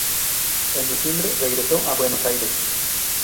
En diciembre regresó a Buenos Aires.